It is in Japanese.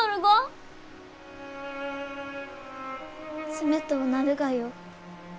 冷とうなるがよ。